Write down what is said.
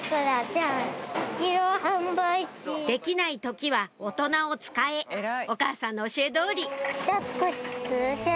「できない時は大人を使え」お母さんの教え通りはい。